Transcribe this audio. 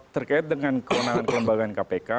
terkait dengan kewenangan kelembagaan kpk